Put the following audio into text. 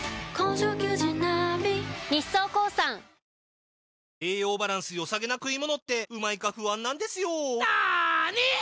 ２１栄養バランス良さげな食い物ってうまいか不安なんですよなに！？